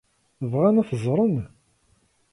Bɣan ad t-ẓren?